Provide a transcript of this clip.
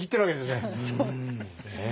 ねえ。